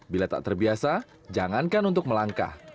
bila tak terbiasa jangankan untuk melangkah